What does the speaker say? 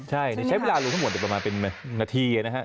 ใช่ใช้เวลารวมทั้งหมดประมาณเป็นนาทีนะครับ